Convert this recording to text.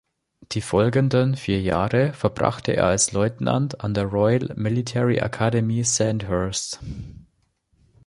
Die folgenden vier Jahre verbrachte er als Leutnant an der Royal Military Academy Sandhurst.